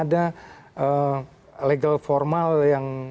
ada apa sih yang legal formal yang